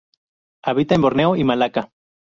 Habita en Borneo y Malaca.